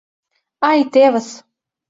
— Ай, тевыс!